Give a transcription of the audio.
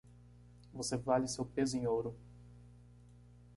Você vale seu peso em ouro.